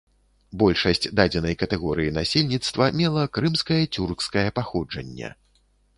Большасць дадзенай катэгорыі насельніцтва мела крымскае цюркскае паходжанне.